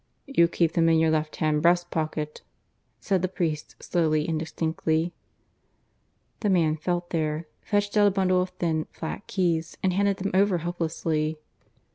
"You keep them in your left hand breast pocket," said the priest slowly and distinctly. The man felt there, fetched out a bundle of thin, flat keys, and handed them over helplessly.